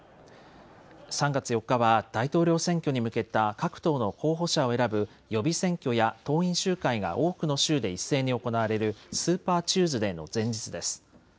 ３月４日は大統領選挙に向けた各党の候補者を選ぶ予備選挙や党員集会が多くの州で一斉に行われるスーパーチューズデーの前日です。